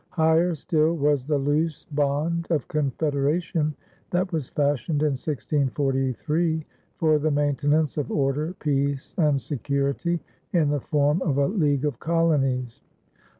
Higher still was the loose bond of confederation that was fashioned in 1643 for the maintenance of order, peace, and security, in the form of a league of colonies.